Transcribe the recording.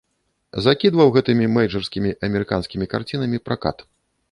Закідваў гэтымі мэйджарскімі амерыканскімі карцінамі пракат.